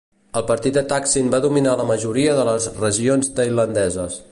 El partit de Thaksin va dominar la majoria de les regions tailandeses.